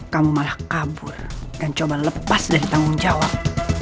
kamu malah kabur dan coba lepas dari tanggung jawab